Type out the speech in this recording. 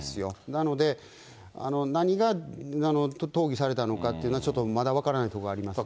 なので、何が討議されたのかっていうのは、ちょっとまだ分からないところがありますね。